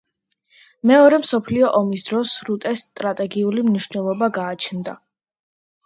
მეორე მსოფლიო ომის დროს სრუტეს სტრატეგიული მნიშვნელობა გააჩნდა.